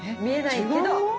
見えないけど。